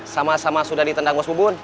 sama sama sudah ditendang bos bubun